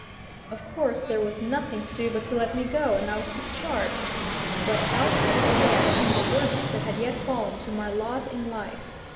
Of course, there was nothing to do but to let me go and I was discharged. But out of this affair came the worst that had yet fallen to my lot in life.